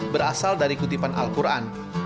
berasal dari kutipan al quran